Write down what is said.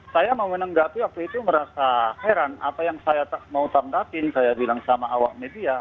saya mau menanggapi waktu itu merasa heran apa yang saya mau tanggapin saya bilang sama awak media